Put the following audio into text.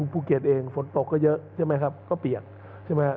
ภูเก็ตเองฝนตกก็เยอะใช่ไหมครับ